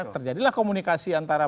terjadilah komunikasi antara